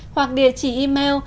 hoặc địa chỉ email